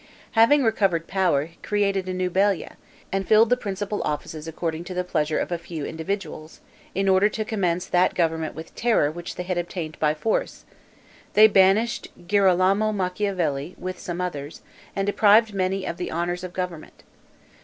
Having recovered power, created a new balia, and filled the principal offices according to the pleasure of a few individuals, in order to commence that government with terror which they had obtained by force, they banished Girolamo Machiavelli, with some others, and deprived many of the honors of government.